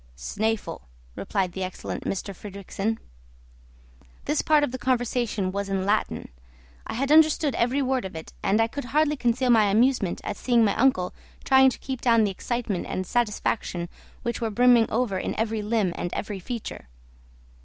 "Snæfell," replied the excellent M. Fridrikssen. This part of the conversation was in Latin; I had understood every word of it, and I could hardly conceal my amusement at seeing my uncle trying to keep down the excitement and satisfaction which were brimming over in every limb and every feature.